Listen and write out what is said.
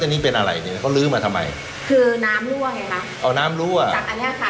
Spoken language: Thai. โอ้วแบบนี้แล้วแบบนี้เป็นอะไรปุ่มลื้อมาทำไมคืนน้ำลั่วไงนะ